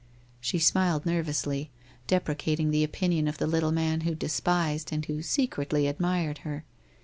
She smiled nervously, deprecating the opinion of the little man she despised and who secretly admired her.